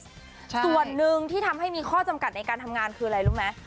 ส่วนหนึ่งที่ทำให้มีข้อจำกัดในการทำงานคืออะไรรู้ไหม